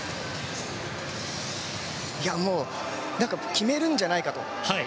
もう、何か決めるんじゃないかと。